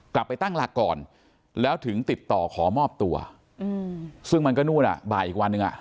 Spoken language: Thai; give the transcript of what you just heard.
กลับไปตั้งหลักก่อนแล้วถึงติดต่อขอมอบตัวซึ่งมันก็นู่นอ่ะบ่ายอีกวันหนึ่งอ่ะ